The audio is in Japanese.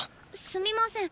すみません。